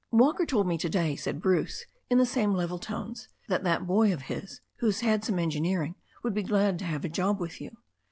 "Walker told me to day," said Bruce in the same level tones, "that that boy of his who's had some engineering would be glad to have a job with you.